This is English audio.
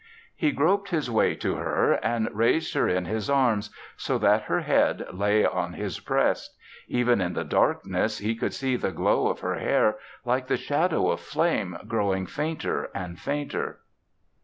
He groped his way to her and raised her in his arms so that her head lay on his breast. Even in the darkness he could see the glow of her hair, like the shadow of flame growing fainter and fainter.